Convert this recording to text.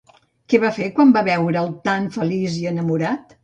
Què va fer quan va veure'l tan feliç i enamorat?